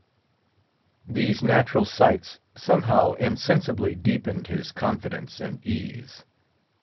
These natural sights somehow insensibly deepened his confidence and ease.